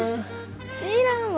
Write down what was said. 知らんわ。